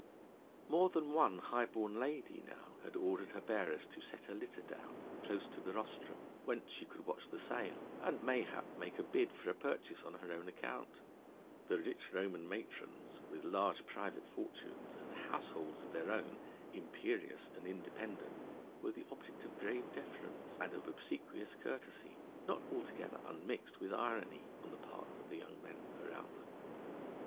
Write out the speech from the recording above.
More than one high born lady now had ordered her bearers to set her litter down close to the rostrum whence she could watch the sale, and mayhap make a bid for a purchase on her own account; the rich Roman matrons with large private fortunes and households of their own, imperious and independent, were the object of grave deference and of obsequious courtesy not altogether unmixed with irony, on the part of the young men around them.